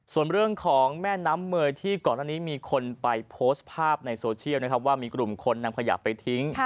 ส่วนเรื่องของแม่น้ำเมยที่ก่อนอันนี้มีคนไปโพสต์ภาพในโซเชียลนะครับว่ามีกลุ่มคนนำขยะไปทิ้ง